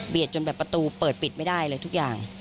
จนแบบประตูเปิดปิดไม่ได้เลยทุกอย่าง